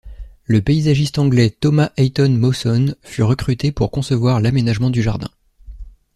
Le paysagiste anglais Thomas Hayton Mawson fut recruté pour concevoir l'aménagement du jardin.